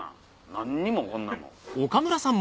何もこんなもん。